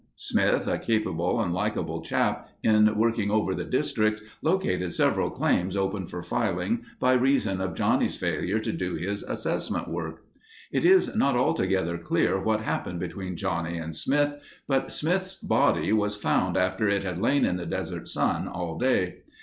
Smith, a capable and likable chap, in working over the districts, located several claims open for filing by reason of Johnny's failure to do his assessment work. It is not altogether clear what happened between Johnny and Smith, but Smith's body was found after it had lain in the desert sun all day.